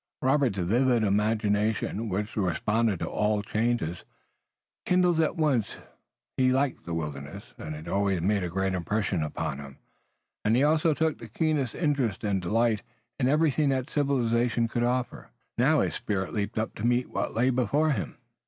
Robert's vivid imagination, which responded to all changes, kindled at once. He liked the wilderness, and it always made a great impression upon him, and he also took the keenest interest and delight in everything that civilization could offer. Now his spirit leaped up to meet what lay before him.